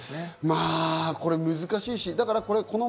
まぁこれ難しいし。